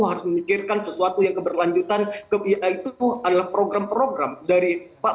harus memikirkan sesuatu yang keberlanjutan ke biaya itu adalah program program dari pak